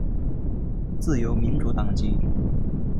自由民主党籍。